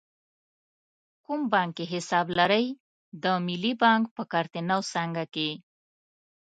کوم بانک کې حساب لرئ؟ د ملی بانک په کارته نو څانګه کښی